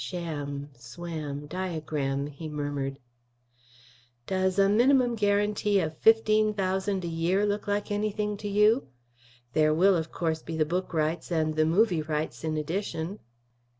"Sham, swam, diagram," he murmured. "Does a minimum guarantee of fifteen thousand a year look like anything to you? There will, of course, be the book rights and the movie rights in addition."